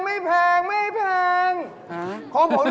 ของผมดีกว่าไม่เกิน๒๐บาท